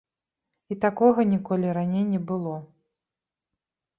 І такога ніколі раней не было.